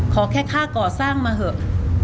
ขอแค่ค่าก่อสร้างมาเถอะ